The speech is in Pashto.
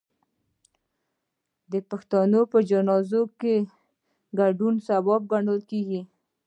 د پښتنو په جنازه کې ګډون ثواب ګڼل کیږي.